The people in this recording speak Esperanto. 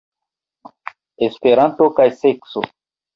Esperanto kaj sekso.